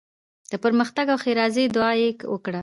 د پرمختګ او ښېرازۍ دعوا یې وکړو.